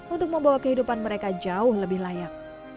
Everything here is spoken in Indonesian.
untuk membawa kehidupan mereka jauh lebih layak